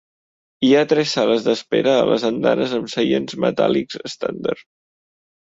Hi ha tres sales d'espera a les andanes amb seients metàl·lics estàndard.